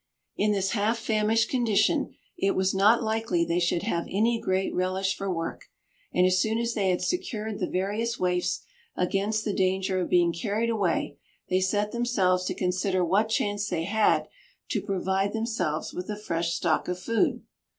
In this half famished condition it was not likely they should have any great relish for work; and as soon as they had secured the various waifs, against the danger of being carried away, they set themselves to consider what chance they had to provide themselves with a fresh stock of food.